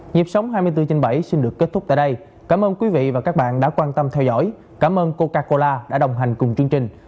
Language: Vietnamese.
nhịp sống hai mươi bốn trên bảy xin được kết thúc tại đây cảm ơn quý vị và các bạn đã quan tâm theo dõi cảm ơn coca cola đã đồng hành cùng chương trình